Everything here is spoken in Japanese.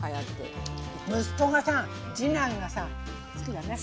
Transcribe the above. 息子がさ次男がさ好きだね。